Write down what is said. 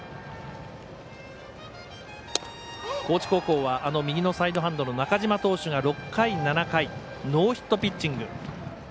高知高校は右のサイドハンドの中嶋投手が６回、７回ノーヒットピッチング。